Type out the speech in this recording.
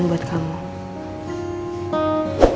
biar siapa yang gak